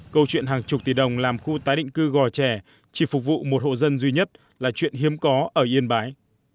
câu chuyện hàng chục tỷ đồng làm khu tái định cư gò trẻ chỉ phục vụ một hộ dân duy nhất là chuyện hiếm có ở yên bái